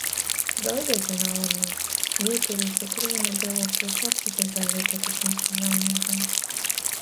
Дојдете на одмор, ние ќе ви покриеме дел од трошоците за летот и сместувањето